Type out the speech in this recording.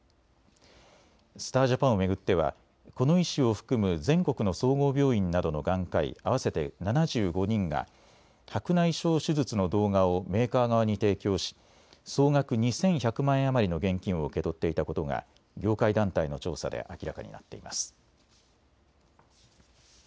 スター・ジャパンを巡ってはこの医師を含む全国の総合病院などの眼科医合わせて７５人が白内障手術の動画をメーカー側に提供し総額２１００万円余りの現金を受け取っていたことが業界団体の調査で明らかになっています。